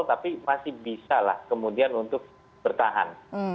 tapi masih bisa lah kemudian untuk bertahan